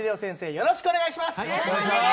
よろしくお願いします！